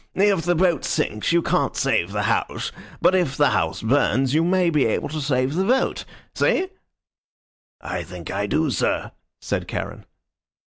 If the boat sinks, you can't save the house; but if the house burns, you may be able to save the boat. See?" "I think I do, sir," said Charon.